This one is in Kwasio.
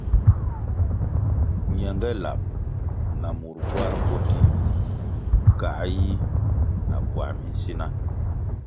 Ñenge lab na mur bwar mboti kā yi na puā minsina.